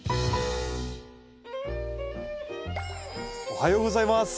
おはようございます。